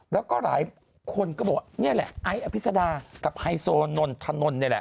แล้วก็หลายคนก็บอกนี่แล้วไออภิษฎากับไฮโซนถนนเนี่ยเเหละ